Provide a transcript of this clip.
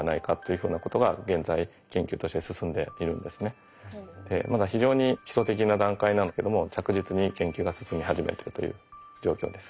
例えばまだ非常に基礎的な段階なんですけども着実に研究が進み始めているという状況です。